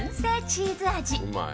チーズ味。